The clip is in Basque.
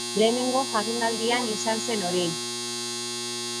Lehenengo jardunaldian izan zen hori.